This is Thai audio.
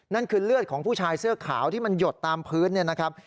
นั่นคือเลือดของผู้ชายเสื้อขาวที่มันหยดตามพื้นเนี่ยนะครับ